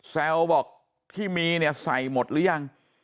แซวบอกที่มีเนี่ยใส่หมดหรือยัง